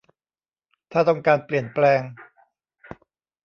ถ้าต้องการเปลี่ยนแปลง